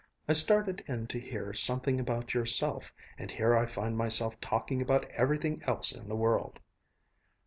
I started in to hear something about yourself, and here I find myself talking about everything else in the world."